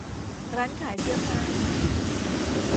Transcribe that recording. ร้านขายเสื้อผ้า